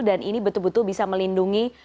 dan ini betul betul bisa melindungi